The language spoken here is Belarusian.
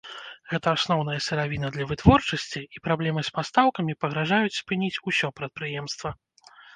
Гэта асноўная сыравіна для вытворчасці і праблемы з пастаўкамі пагражаюць спыніць усё прадпрыемства.